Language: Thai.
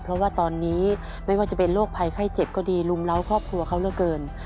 เพราะว่าตอนนี้ไม่ว่าจะเป็นโรคภัยไข้เจ็บก็ดีรุมเล้าครอบครัวเขาเหลือเกิน